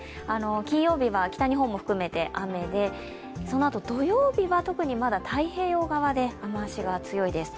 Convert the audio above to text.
金曜日は北日本も含めて、雨でそのあと土曜日は特にまだ太平洋側で雨足が強いです。